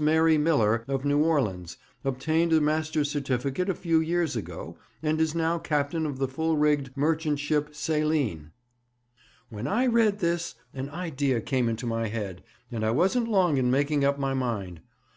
Mary Miller, of New Orleans, obtained a master's certificate a few years ago, and is now captain of the full rigged merchant ship Saline." 'When I read this, an idea came into my head, and I wasn't long in making up my mind.